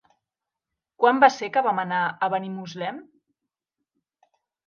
Quan va ser que vam anar a Benimuslem?